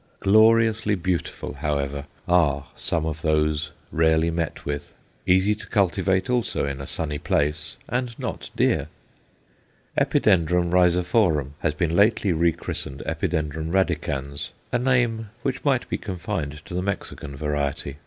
Gloriously beautiful, however, are some of those rarely met with; easy to cultivate also, in a sunny place, and not dear. Epid. rhizophorum has been lately rechristened Epid. radicans a name which might be confined to the Mexican variety.